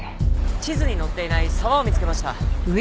地図に載っていない沢を見つけました。